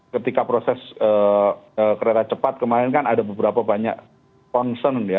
ketika proses kereta cepat kemarin kan ada beberapa banyak concern ya